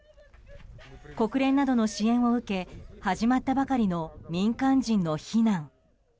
国連などの支援を受け始まったばかりの民間人の避難。